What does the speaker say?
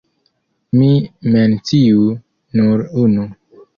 Mi menciu nur unu.